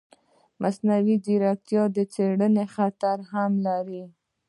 مصنوعي ځیرکتیا د څارنې خطر هم لري.